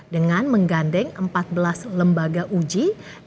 dengan menggandeng empat belas lembaga uji